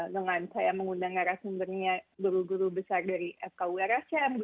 dengan saya mengundang arah sumbernya guru guru besar dari fku rasyad